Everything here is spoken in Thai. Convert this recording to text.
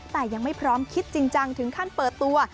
แต่ยังไม่พร้อมคิดจริงจังถึงขั้นเปิดตัว